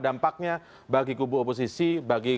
dampaknya bagi kubu oposisi bagi